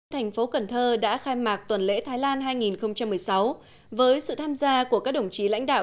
thành phố cần thơ đã khai mạc tuần lễ thái lan hai nghìn một mươi sáu với sự tham gia của các đồng chí lãnh đạo